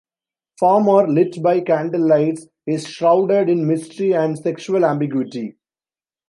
Farmer, lit by candlelights, is shrouded in mystery and sexual ambiguity.